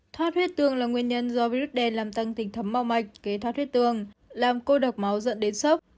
thoát huyết tương là nguyên nhân do virus đèn làm tăng tình thấm mau mạch kế thoát huyết tương làm cô độc máu dẫn đến sốc